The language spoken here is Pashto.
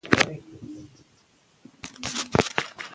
که تشویق وي نو ذهن نه مړاوی کیږي.